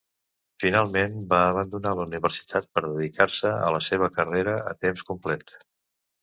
Finalment, va abandonar la universitat per dedicar-se a la seva carrera a temps complet.